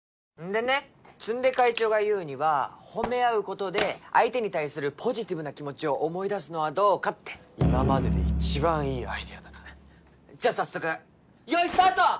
でね詰出会長が言うには褒め合うことで相手に対するポジティブな気持ちを思い出すのはどうかって今までで一番いいアイデアだなじゃあ早速よーいスタート！